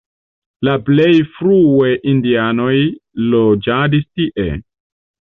La plej frue indianoj loĝadis tie.